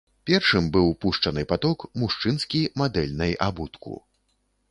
Першым быў пушчаны паток мужчынскі мадэльнай абутку.